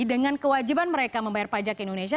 dengan kewajiban mereka membayar pajak indonesia